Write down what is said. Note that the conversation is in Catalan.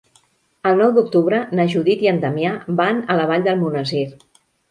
El nou d'octubre na Judit i en Damià van a la Vall d'Almonesir.